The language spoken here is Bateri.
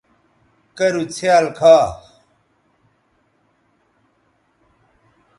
کرُو څھیال کھا